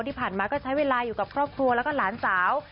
ที่ผ่านมาก็ใช้เวลาอยู่กับครอบครัวแล้วก็หลานสาว